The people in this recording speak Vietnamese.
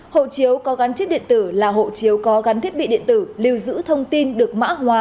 hộ chiếu có gắn chiếc điện tử là hộ chiếu có gắn thiết bị điện tử lưu giữ thông tin được mã hóa